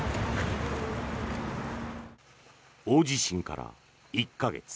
大地震から１か月。